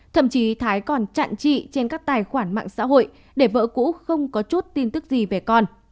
thậm chí thái còn chặn trị trên các tài khoản mạng xã hội để vợ cũ không có chút tin tức gì về con